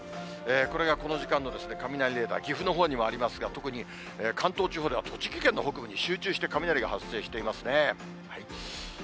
これがこの時間の雷レーダー、岐阜のほうにもありますが、特に、関東地方では栃木県の北部に集中して雷が発生していますね。